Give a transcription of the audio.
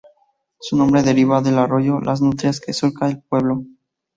Su nombre deriva del arroyo Las Nutrias que surca el pueblo.